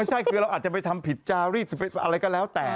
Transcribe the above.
ไม่ใช่คือเราอาจจะไปทำผิดจารีดอะไรก็แล้วแต่